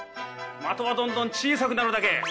的はどんどん小さくなるだけ。